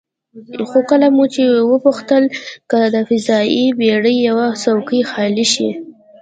خو کله مو چې وپوښتله که د فضايي بېړۍ یوه څوکۍ خالي شي،